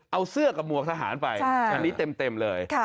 เอาเสื้อกับหมวกทหารไปอันนี้เต็มเลย